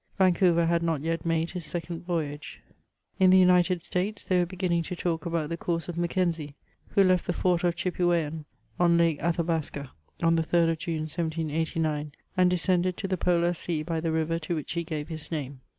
Vancouver had not yet made his second voyage. In the United States, they were beginning to talk about the course of Mackenzie, who left the fort of Chipewayan, on Lake Athabasca, on the 3rd of June, 1789, and descended to the Paka Sea by the river to which he gave hicr nam^.